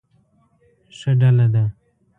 ښه ډله ده.